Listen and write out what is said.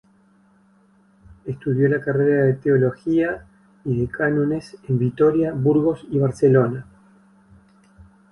Estudió la carrera de Teología y de Cánones en Vitoria, Burgos y Barcelona.